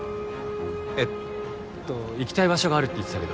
えっと行きたい場所があるって言ってたけど。